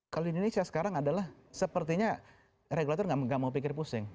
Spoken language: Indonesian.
kalau di indonesia sekarang adalah sepertinya regulator nggak mau pikir pusing